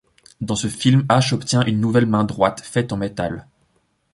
Dans ce film, Ash obtient une nouvelle main droite, faite en métal.